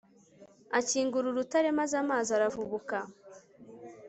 akingura urutare, maze amazi aravubuka